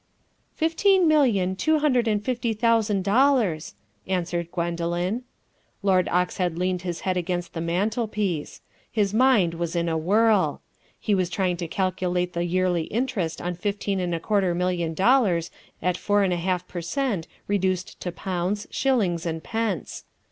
"Fifteen million two hundred and fifty thousand dollars," answered Gwendoline. Lord Oxhead leaned his head against the mantelpiece. His mind was in a whirl. He was trying to calculate the yearly interest on fifteen and a quarter million dollars at four and a half per cent reduced to pounds, shillings, and pence.